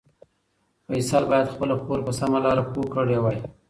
فیصل باید خپله خور په سمه لاره پوه کړې وای.